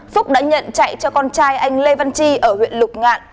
phúc đã nhận chạy cho con trai anh lê văn chi ở huyện lục ngạn